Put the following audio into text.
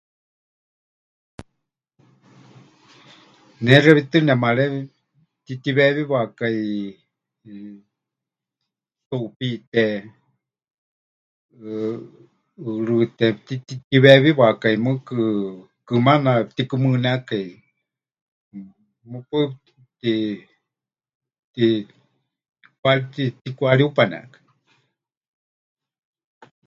Ne xewítɨ nemaré pɨtitiweewiwakai tuupiíte, ʼɨɨrɨɨ́te pɨtitiweewiwakai mɨɨkɨ, kɨmaana pɨtikumɨnékai, mɨpaɨ pɨtikuhariupanekai.